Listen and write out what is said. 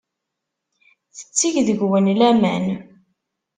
Tetteg deg-wen laman.